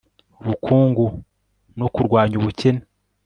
ubukungu no kurwanya ubukene